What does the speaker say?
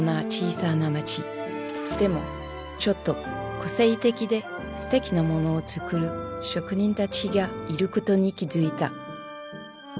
でもちょっと個性的ですてきなモノを作る職人たちがいることに気付いた。